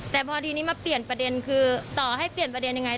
แต่พอดีนี้มาเปลี่ยนประเด็นคือต่อให้เปลี่ยนประเด็นยังไง